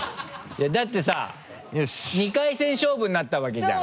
だってさ２回戦勝負になったわけじゃん。